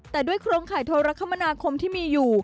แต่ด้วยโครงข่ายโทรคมนาคมที่มีอยู่